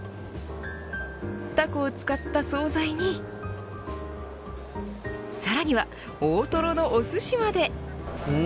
タコを使った総菜にさらには、大トロのおすしまで。